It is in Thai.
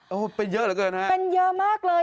โอ้โฮเป็นเยอะเหลือเกินนะครับนะครับเป็นเยอะมากเลย